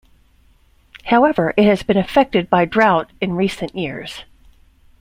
However, it has been affected by drought in recent years.